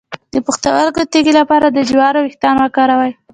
د پښتورګو تیږې لپاره د جوارو ویښتان وکاروئ